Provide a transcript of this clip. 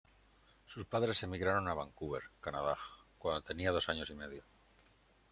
Sus padres emigraron a Vancouver, Canadá, cuando tenía dos años y medio.